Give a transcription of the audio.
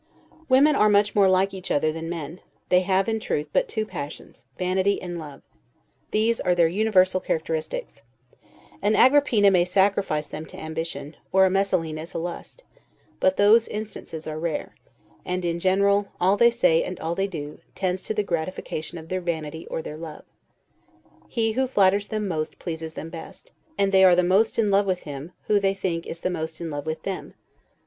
Women are much more like each other than men: they have, in truth, but two passions, vanity and love; these are their universal characteristics. An Agrippina may sacrifice them to ambition, or a Messalina to lust; but those instances are rare; and, in general, all they say, and all they do, tends to the gratification of their vanity or their love. He who flatters them most, pleases them best; and they are the most in love with him, who they think is the most in love with them.